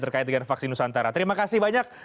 terkait dengan vaksin nusantara terima kasih banyak